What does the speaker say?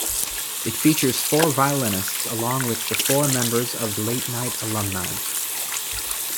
It features four violinists along with the four members of Late Night Alumni.